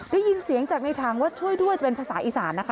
ได้ยินเสียงจากในถังว่าช่วยด้วยจะเป็นภาษาอีสานนะคะ